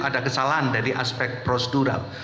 ada kesalahan dari aspek prosedural